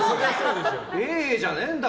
ええじゃねえんだ